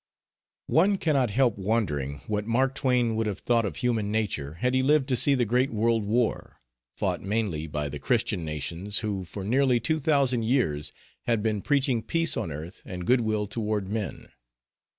One cannot help wondering what Mark Twain would have thought of human nature had he lived to see the great World War, fought mainly by the Christian nations who for nearly two thousand years had been preaching peace on earth and goodwill toward men.